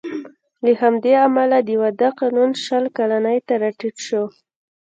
له همدې امله د واده قانون شل کلنۍ ته راټیټ شو